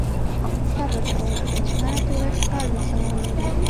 • صبر کوه، ځکه چې هره توره شپه روڼ سهار لري.